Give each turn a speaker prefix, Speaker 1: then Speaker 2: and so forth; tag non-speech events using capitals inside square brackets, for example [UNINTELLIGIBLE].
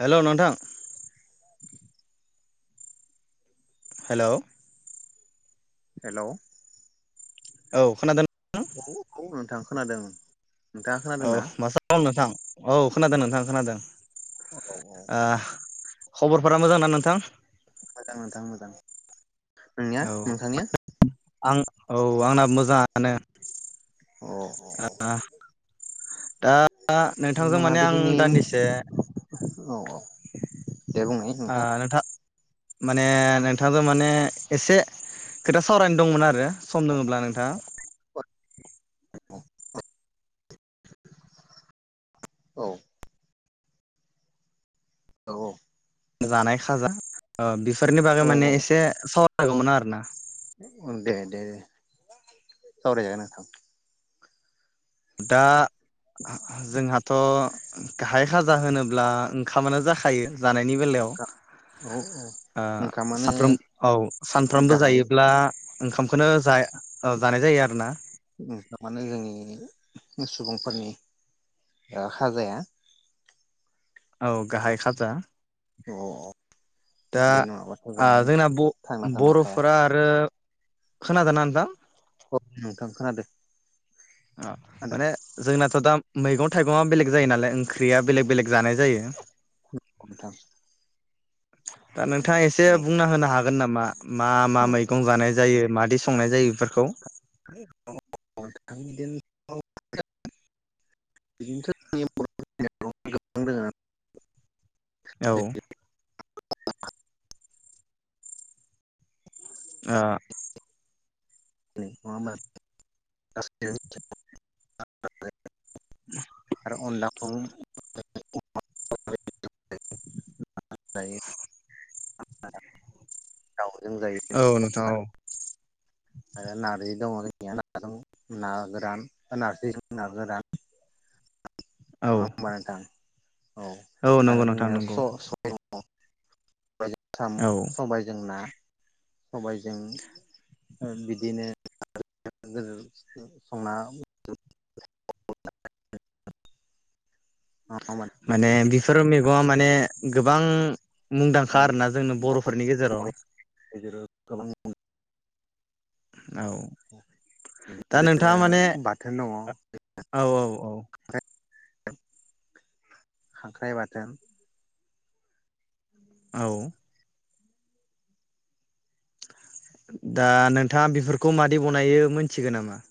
Speaker 1: हेल' नोंथां hello.
Speaker 2: Hello
Speaker 1: औ खोनादों।
Speaker 2: औ औ नोंथां। खोनादों। नोंथाङा
Speaker 1: औ
Speaker 2: खोनादोंना
Speaker 1: मोजांं नोंथां। औ खोनादों नोंथां खोनादों।
Speaker 2: औ औ।
Speaker 1: ओ खबरफोरा मोजां ना नोंथां।
Speaker 2: मोजां नोंथां मोजां मोजां। नोंनिया
Speaker 1: औ
Speaker 2: नोंथांनिया।
Speaker 1: आं औ आंना मोजां।
Speaker 2: अ औ औ
Speaker 1: मोजानो दा नोंथांजों माने आं
Speaker 2: मोनाबिलिनि
Speaker 1: दान्दिसे।
Speaker 2: औ औ दे बुंनाय नोंथां।
Speaker 1: माने नोंथांजों माने एसे खोथा सावरायनो दंमोन आरो सम दङोब्ला नोंथाङा।
Speaker 2: [UNINTELLIGIBLE] औ औ औ।
Speaker 1: जानाय खाजा ओ बिब फोरनि बागै
Speaker 2: औ
Speaker 1: माने एसे साव जागौमोन आरो ना।
Speaker 2: उम दे दे दे सावरायजागोन नोथां।
Speaker 1: दा जोंहाथ‌ गाहाय खाजा होनोब्ला ओंखामानो जाखायो जानायनि बेलायाव
Speaker 2: औ औ
Speaker 1: ओ
Speaker 2: ओंखामानो
Speaker 1: साफ्रोम औ सानफ्रोमबो
Speaker 2: गाहाय
Speaker 1: जायोब्ला ओंखामखौनो जाय-जानाय ओ जायो आरो ना।
Speaker 2: ओंखामानो जोंनि सुबुंफोरनि ओ खाजाया।
Speaker 1: औ गाहाय खाजा।
Speaker 2: औ औ।
Speaker 1: दा
Speaker 2: बे नङाबाथ' जों
Speaker 1: आ जोंना
Speaker 2: थांना थानो हाया
Speaker 1: ब-बर'फोरा आरो खोनादोना नोथां।
Speaker 2: औ नोंथां खोनादों।
Speaker 1: अ
Speaker 2: खोनादों
Speaker 1: माने जोंना थ दाम मैगं थाइगङा बेलेग जायो नालाय ओंख्रिया बेलेग बेलेग जानाय जायो।
Speaker 2: उम नोंथां।
Speaker 1: [UNINTELLIGIBLE] दा नोंथाङा एसे
Speaker 2: औ
Speaker 1: बुंना होनो हा गोन नामा मा मा मैगं जानाय जायो मादि स
Speaker 2: [UNINTELLIGIBLE] आं दिन [UNINTELLIGIBLE]
Speaker 1: औ। ओ
Speaker 2: [UNINTELLIGIBLE]
Speaker 1: [UNINTELLIGIBLE]
Speaker 2: आरो अनलाखौ [UNINTELLIGIBLE] जायो [UNINTELLIGIBLE] औ।
Speaker 1: औ नोंथां औ।
Speaker 2: आरो नार्जि दङ जोंनिया ना दं ना गोरान नारजि जों ना गोरान [UNINTELLIGIBLE]
Speaker 1: औ
Speaker 2: नङा होनबा नोंथां? औ
Speaker 1: नंगौ
Speaker 2: आरो
Speaker 1: नोंथां
Speaker 2: जोंनिया
Speaker 1: नंगौ
Speaker 2: स-सबाय दं। औ। सबायजों सामु,
Speaker 1: औ
Speaker 2: सबायजों ना सबायजों बिदिनो [UNINTELLIGIBLE] संना [UNINTELLIGIBLE]
Speaker 1: माने बेफोर मैगंआ माने गोबां मुंदांखा
Speaker 2: बर'नि
Speaker 1: आरोना जोंनो बर'फोरनि गेजेराव
Speaker 2: गेजेराव गोबां अन
Speaker 1: औ दा नोंथाङा माने
Speaker 2: बाथोन
Speaker 1: औ औ औ।
Speaker 2: खांख्राय बाथोन
Speaker 1: औ। दा नोंथाङा बेफोरखौ मादि बनायो मोनथिगौ नामा?